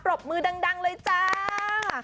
รบมือดังเลยจ้า